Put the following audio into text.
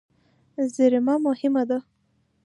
زېرمه مهمه ده.